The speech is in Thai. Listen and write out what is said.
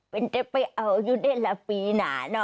เป็นเจ้าไปเอาอยู่ได้ละปีหนาเนอะ